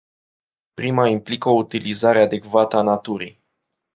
Prima implică o utilizare adecvată a naturii.